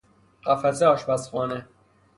قفسه آشپزخانه